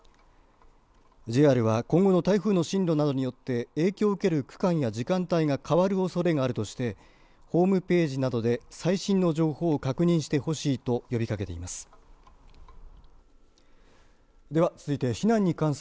ＪＲは今後の台風の進路などによって影響を受ける区間や時間帯が変わるおそれがあるとしてホームページなどで最新の情報を確認してほしいと呼びかけています。